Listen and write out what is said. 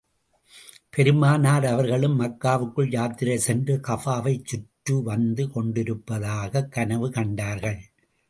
பெருமானார் அவர்களும் மக்காவுக்குள் யாத்திரை சென்று, கஃபாவைச் சுற்று வந்து கொண்டிருப்பதாகக் கனவு கண்டார்கள்.